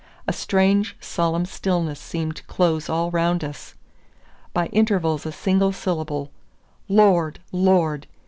A strange solemn stillness seemed to close all round us. By intervals a single syllable, "Lord! Lord!"